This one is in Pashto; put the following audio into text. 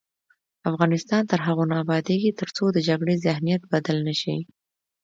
افغانستان تر هغو نه ابادیږي، ترڅو د جګړې ذهنیت بدل نه شي.